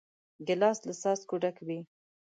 ګیلاس له څاڅکو ډک وي.